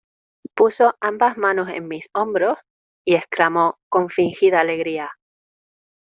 puso ambas manos en mis hombros y exclamó con fingida alegría: